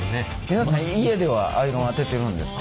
皆さん家ではアイロンあててるんですか？